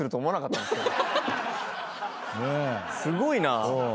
すごいな。